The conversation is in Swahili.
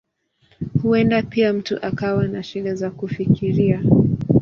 Huenda pia mtu akawa na shida za kufikiria.